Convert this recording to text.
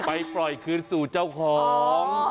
ไปปล่อยคืนสู่เจ้าของ